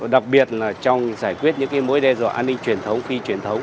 đặc biệt là trong giải quyết những mối đe dọa an ninh truyền thống phi truyền thống